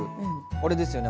あれですよね